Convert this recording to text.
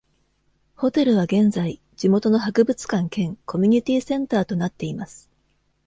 ホテルは現在、地元の博物館兼コミュニティセンターとなっています。